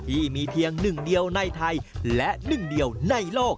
ที่มีเพียงหนึ่งเดียวในไทยและหนึ่งเดียวในโลก